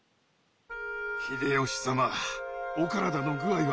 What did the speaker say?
秀吉様お体の具合は？